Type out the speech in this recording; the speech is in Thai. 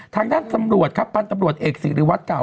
ทางด้านตำรวจครับพันธุ์ตำรวจเอกสิริวัตรเก่า